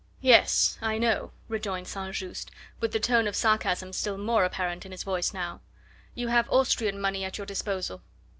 "Yes, I know," rejoined St. Just, with the tone of sarcasm still more apparent in his voice now. "You have Austrian money at your disposal."